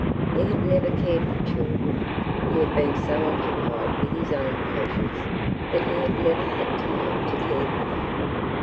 He had never cared for children; he had been so occupied with his own pleasures that he had never had time to care for them.